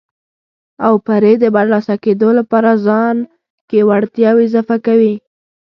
او پرې د برلاسه کېدو لپاره خپل ځان کې وړتیاوې اضافه کوي.